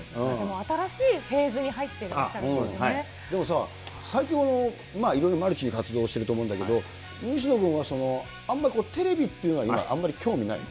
新しいフェーズに入ってらっでもさ、最近は、いろいろマルチに活動していると思うんだけど、西野君はあんまりテレビっていうのは興味ないの？